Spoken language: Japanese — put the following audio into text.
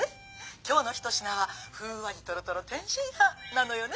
今日の一品はふんわりとろとろ天津飯なのよね？